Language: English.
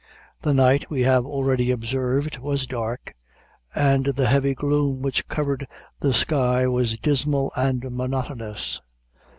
The night, we have already observed, was dark, and the heavy gloom which covered the sky was dismal and monotonous.